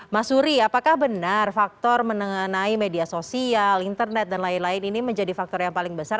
mas suri apakah benar faktor mengenai media sosial internet dan lain lain ini menjadi faktor yang paling besar